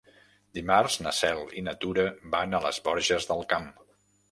Dimarts na Cel i na Tura van a les Borges del Camp.